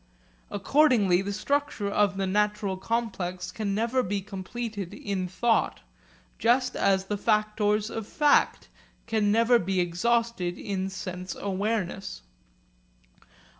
Accordingly the structure of the natural complex can never be completed in thought, just as the factors of fact can never be exhausted in sense awareness.